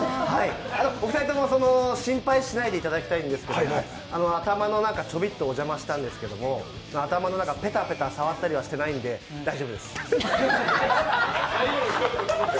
お二人とも心配しないでいただきたいんですけども頭の中、ちょびっとお邪魔したんですけども、頭の中ペタペタ触ったりはしてないんで大丈夫です。